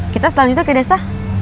kita selanjutnya ke desa